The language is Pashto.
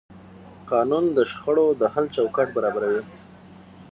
قانون د شخړو د حل چوکاټ برابروي.